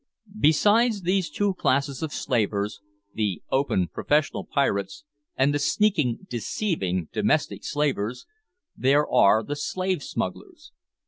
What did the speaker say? Besides these two classes of slavers, the open, professional pirates, and the sneaking, deceiving "domestic" slavers, there are the slave smugglers.